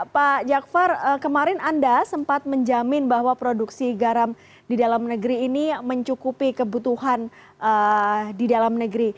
pak jakfar kemarin anda sempat menjamin bahwa produksi garam di dalam negeri ini mencukupi kebutuhan di dalam negeri